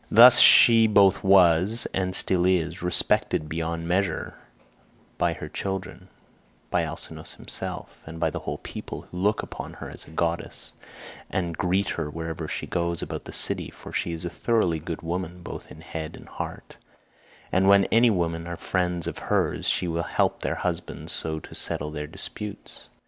"Thus she both was, and still is, respected beyond measure by her children, by Alcinous himself, and by the whole people, who look upon her as a goddess, and greet her whenever she goes about the city, for she is a thoroughly good woman both in head and heart, and when any women are friends of hers, she will help their husbands also to settle their disputes.